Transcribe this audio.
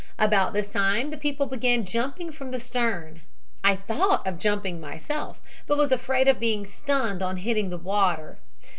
About this time the people began jumping from the stern. I thought of jumping myself, but was afraid of being stunned on hitting the water.